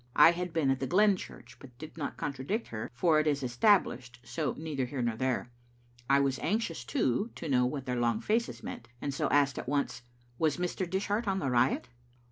I had been at the Glen church, but did not contradict her, for it is Established, and so neither here nor there. I was anxious, too, to know what their long faces meant, and so asked at once— "Was Mr. Dishart on the riot?"